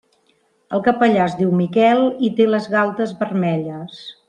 El capellà es diu Miquel i té les galtes vermelles.